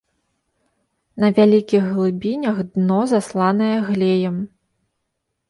На вялікіх глыбінях дно засланае глеем.